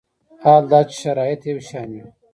حال دا چې شرایط یو شان وي.